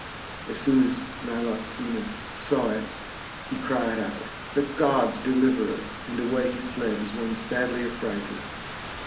As soon as Niloxenus saw it, he cried out, The Gods deliver us ; and away he fled as one sadly affrighted.